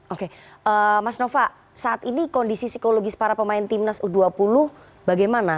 oke mas nova saat ini kondisi psikologis para pemain timnas u dua puluh bagaimana